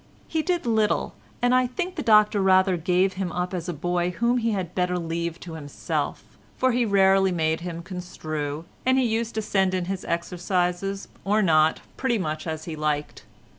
He did little, and I think the Doctor rather gave him up as a boy whom he had better leave to himself, for he rarely made him construe, and he used to send in his exercises or not, pretty much as he liked.